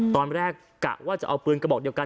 กะว่าจะเอาปืนกระบอกเดียวกัน